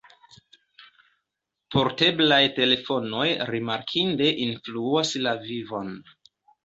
Porteblaj telefonoj rimarkinde influas la vivon.